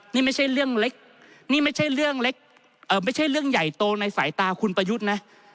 นี่ไม่ใช่เรื่องเล็กไม่ใช่เรื่องใหญ่โตในสายตาคุณประยุทธ์นะ